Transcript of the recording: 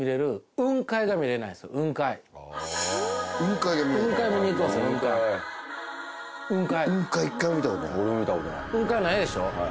雲海雲海ないでしょ？